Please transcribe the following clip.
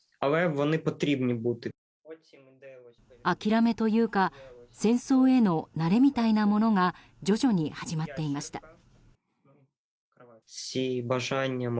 諦めというか戦争への慣れみたいなものが徐々に始まっていました。